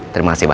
terima kasih pak